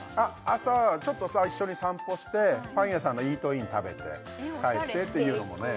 朝ちょっと一緒に散歩してパン屋さんのイートイン食べて帰ってっていうのもね